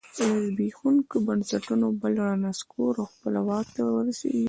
له زبېښونکو بنسټونو بل رانسکور او خپله واک ته ورسېږي